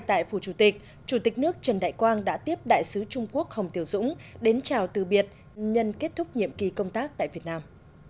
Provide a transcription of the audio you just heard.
đại sứ trung quốc hồng tiểu dũng đến chào từ biệt nhân kết thúc nhiệm kỳ công tác tại việt nam